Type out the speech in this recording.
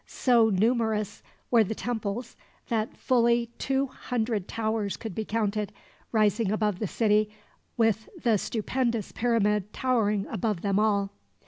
So numerous were the temples that fully two hundred towers could be counted, rising above the city, with the stupendous pyramid towering above them all.